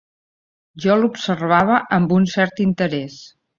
Jo l'observava amb un cert interès